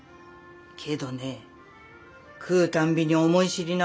けどね食うたんびに思い知りな。